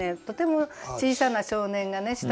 とても小さな少年がね